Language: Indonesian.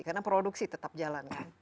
karena produksi tetap jalan kan